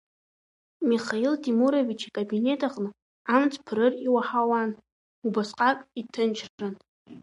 Михаил Темурович икабинет аҟны амҵ ԥырыр иуаҳауан, убасҟак иҭынчран…